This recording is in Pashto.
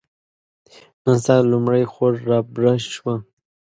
نن سهار لومړۍ خور رابره شوه.